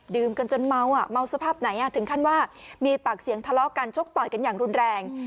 กันจนเมาเมาสภาพไหนถึงขั้นว่ามีปากเสียงทะเลาะกันชกต่อยกันอย่างรุนแรง